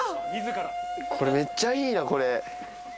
これめっちゃいいなこれ。